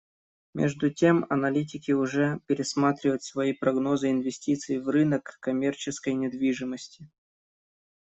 Между тем аналитики уже пересматривают свои прогнозы инвестиций в рынок коммерческой недвижимости.